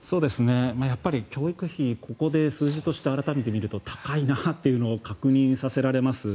やっぱり教育費ここで数字として改めて見ると高いなというのを確認させられます。